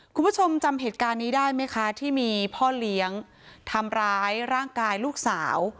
คุณผู้ชมจำเหตุการณ์นี้ได้ไหมคะที่มีพ่อเลี้ยงทำร้ายร่างกายลูกสาว